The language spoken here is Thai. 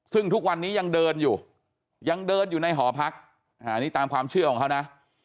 ซึ่งทุกวันนี้ยังเดินอยู่ยังเดินอยู่ในหอพักอันนี้ตามความเชื่อของเขานะ